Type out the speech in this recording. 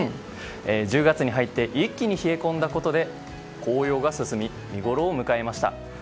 １０月に入って一気に冷え込んだことで紅葉が進み、見ごろを迎えました。